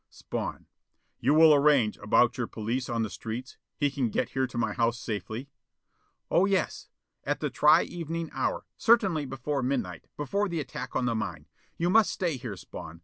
Spawn: "You will arrange about your police on the streets? He can get here to my house safely?" "Oh yes, at the tri evening hour, certainly before midnight, before the attack on the mine. You must stay here, Spawn.